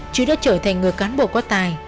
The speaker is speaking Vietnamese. chứ đã trở thành người cán bộ có tài